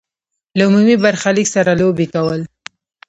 له عمومي برخلیک سره لوبې کول.